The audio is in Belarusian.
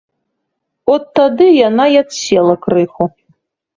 От тады яна й адсела крыху.